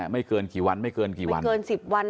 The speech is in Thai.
ไม่เกินกี่วันไม่เกินกี่วัน